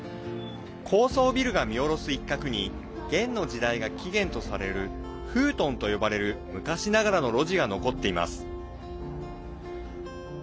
高層ビルが見下ろす一角に元の時代が起源とされる胡同と呼ばれる昔ながらの路地が残っています。